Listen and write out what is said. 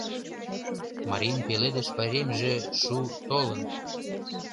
Марийын Пеледыш пайремже шу толын!